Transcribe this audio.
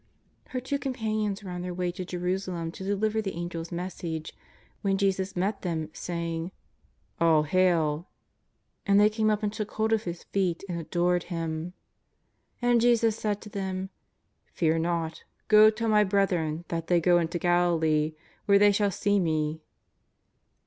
Her two companions were on their way to Jerusa lem to deliver the Angel's message, when Jesus met them, saying: "All hail!'' And they came up and took hold of His feet and adored Him. And Jesus said to them :" Fear not, go tell My brethren that they go into Galilee, there they shall see Me."